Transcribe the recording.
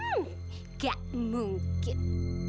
hmm tidak mungkin